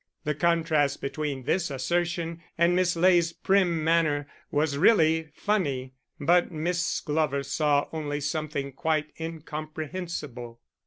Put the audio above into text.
The contrast between this assertion and Miss Ley's prim manner was really funny, but Miss Glover saw only something quite incomprehensible.